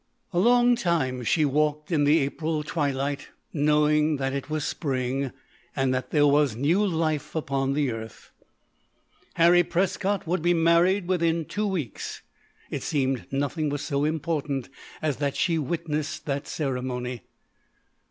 A long time she walked in the April twilight knowing that it was spring and that there was new life upon the earth. Harry Prescott would be married within two weeks. It seemed nothing was so important as that she witness that ceremony.